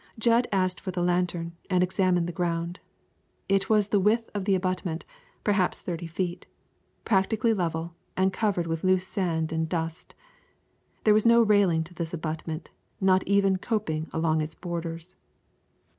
Jud asked for the lantern and examined the ground. It was the width of the abutment, perhaps thirty feet, practically level, and covered with a loose sand dust. There was no railing to this abutment, not even a coping along its borders.